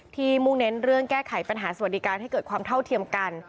มุ่งเน้นเรื่องแก้ไขปัญหาสวัสดิการให้เกิดความเท่าเทียมกัน